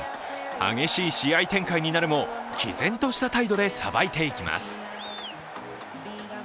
激しい試合展開になるも、きぜんとした態度でさばいていきます。